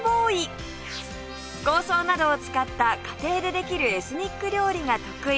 香草などを使った家庭でできるエスニック料理が得意